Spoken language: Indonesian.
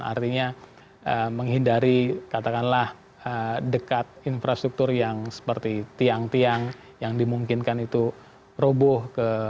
artinya menghindari katakanlah dekat infrastruktur yang seperti tiang tiang yang dimungkinkan itu roboh